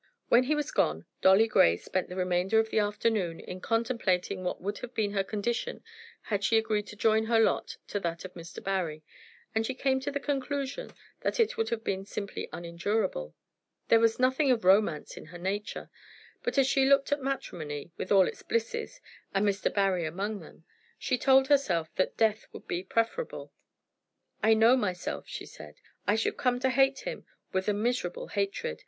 When he was gone Dolly Grey spent the remainder of the afternoon in contemplating what would have been her condition had she agreed to join her lot to that of Mr. Barry, and she came to the conclusion that it would have been simply unendurable. There was nothing of romance in her nature; but as she looked at matrimony, with all its blisses, and Mr. Barry among them, she told herself that death would be preferable. "I know myself," she said. "I should come to hate him with a miserable hatred.